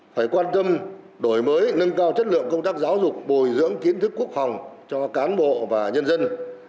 phải quan tâm đổi mới nâng cao chất lượng công tác giáo dục bồi dưỡng kiến thức quốc phòng cho cán bộ và nhân dân